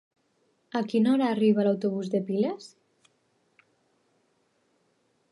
A quina hora arriba l'autobús de Piles?